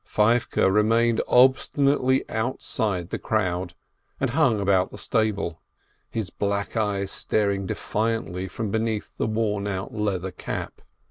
Feivke remained obstinately outside the crowd, and hung about the stable, his black eyes staring defiantly from beneath the worn out leather cap.